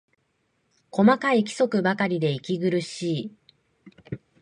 細かい規則ばかりで息苦しい